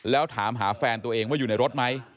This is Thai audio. แล้วถามหาแฟนตัวเองว่าอยู่ในรถไหม